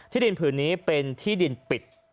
ดินผืนนี้เป็นที่ดินปิด